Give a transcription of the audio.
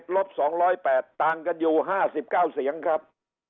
ลบ๒๐๘ต่างกันอยู่๕๙เสียงครับ